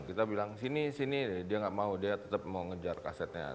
kita bilang sini sini dia nggak mau dia tetap mau ngejar kasetnya